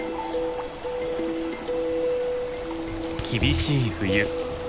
厳しい冬。